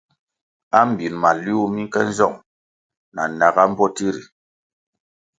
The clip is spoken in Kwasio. Ambin maliuh mi nke nzong na naga mbpoti ri.